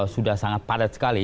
sudah sangat padat sekali